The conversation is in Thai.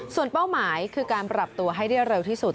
ส่วนเป้าหมายคือการปรับตัวให้ได้เร็วที่สุด